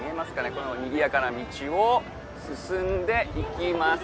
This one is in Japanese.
このにぎやかな道を進んで行きますと。